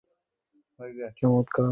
তার চমৎকার বর্ণনায় আকর্ষিত হচ্ছে।